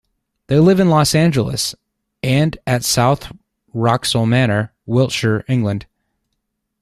They live in Los Angeles, and at South Wraxall Manor, Wiltshire, England.